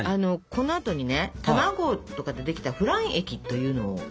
このあとにね卵とかでできたフラン液というのを注ぎましてですね